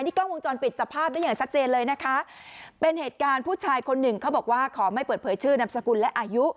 กล้องวงจรปิดจับภาพได้อย่างชัดเจนเลยนะคะเป็นเหตุการณ์ผู้ชายคนหนึ่งเขาบอกว่าขอไม่เปิดเผยชื่อนามสกุลและอายุ